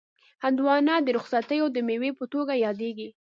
هندوانه د رخصتیو د مېوې په توګه یادیږي.